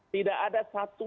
tidak ada satu